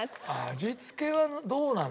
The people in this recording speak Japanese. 味付けはどうなの？